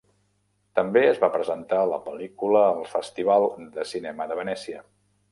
També es va presentar la pel·lícula al Festival de Cinema de Venècia.